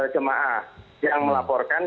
jemaah yang melaporkan